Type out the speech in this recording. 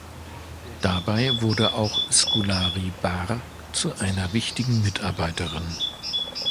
Dabei wurde auch Scolari Barr zu einer wichtigen Mitarbeiterin.